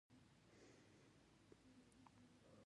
څوک چې پر لوی غره ناست وي ټول شیان ویني.